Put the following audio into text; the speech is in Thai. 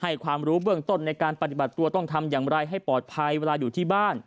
ความรู้เบื้องต้นในการปฏิบัติตัวต้องทำอย่างไรให้ปลอดภัยเวลาอยู่ที่บ้าน